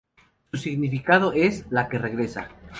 Su significado es "La que regresa".